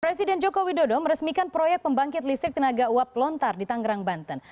presiden joko widodo meresmikan proyek pembangkit listrik tenaga uap lontar di tangerang banten